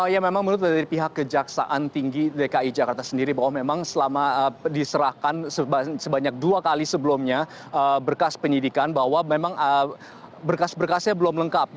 ya memang menurut dari pihak kejaksaan tinggi dki jakarta sendiri bahwa memang selama diserahkan sebanyak dua kali sebelumnya berkas penyidikan bahwa memang berkas berkasnya belum lengkap